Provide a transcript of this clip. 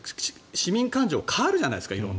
市民感情が変わるじゃないですか。